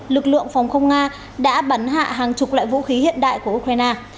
lực lượng phòng không nga đã bắn hạ hàng chục loại vũ khí hiện đại của ukraine